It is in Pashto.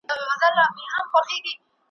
لکه نکل د ماشومي شپې په زړه کي ,